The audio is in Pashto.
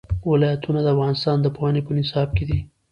ولایتونه د افغانستان د پوهنې په نصاب کې دي.